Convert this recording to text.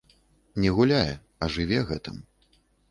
Не гуляе, а жыве гэтым.